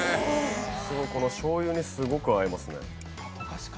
しょうゆにすごく合いますね。